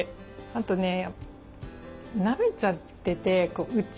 あとねなめちゃってて内側